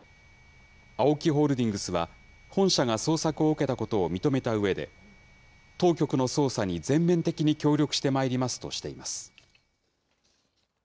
ＡＯＫＩホールディングスは、本社が捜索を受けたことを認めたうえで、当局の捜査に全面的に協力してまいりますとしています。